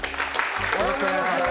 よろしくお願いします